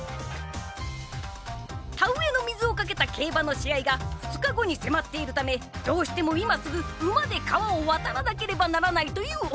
田植えの水を賭けた競馬の試合が２日後に迫っているためどうしても今すぐ馬で川を渡らなければならないという親子。